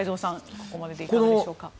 ここまででいかがでしょうか。